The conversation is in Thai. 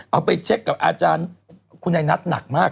เอาไปเช็คกับอาจารย์คุณไอ้นัทหนักมาก